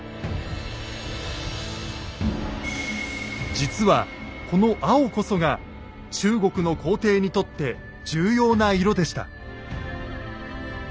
実はこの青こそが中国の皇帝にとって重要な色でした。